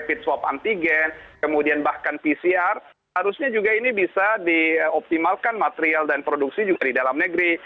jadi ini juga harusnya dikonsumsi kemudian kemudian bahkan pcr harusnya juga ini bisa dioptimalkan material dan produksi juga di dalam negeri